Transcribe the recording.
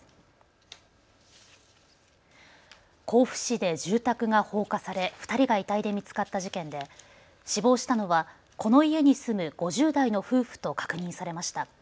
甲府市で住宅が放火され２人が遺体で見つかった事件で死亡したのは、この家に住む５０代の夫婦と確認されました。